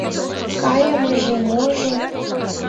— Кайымыже-можо...